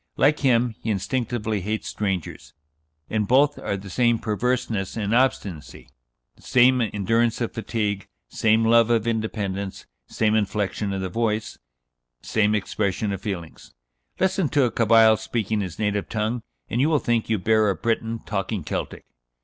Like him, he instinctively hates strangers; in both are the same perverseness and obstinacy, same endurance of fatigue, same love of independence, same inflexion of the voice, same expression of feelings. Listen to a Cabyle speaking his native tongue, and you will think you bear a Breton talking Celtic."